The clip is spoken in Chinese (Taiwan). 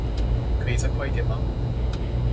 可以再快點嗎